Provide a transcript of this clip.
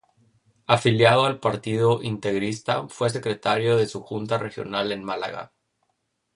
Afiliado al Partido Integrista, fue secretario de su junta regional en Málaga.